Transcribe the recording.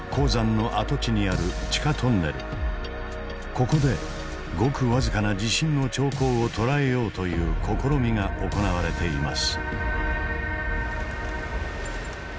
ここでごく僅かな地震の兆候を捉えようという試みが行われています。